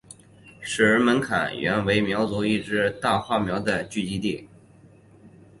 石门坎原为苗族一支大花苗的聚居地。